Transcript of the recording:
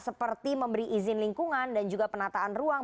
seperti memberi izin lingkungan dan juga penataan ruang